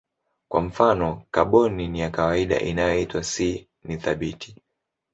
Kwa mfano kaboni ya kawaida inayoitwa C ni thabiti.